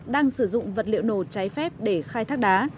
đang sử dụng vật liệu nổ cháy phép để khai thác đá